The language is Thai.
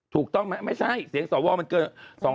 ถูกต้องไหมไม่ใช่เสียงสวมันเกิน